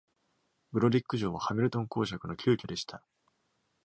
ブロディック城はハミルトン公爵の旧居でした。